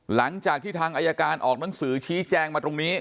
หลังจากที่ทางอายการออกหนังสือชี้แจงมาตรงนี้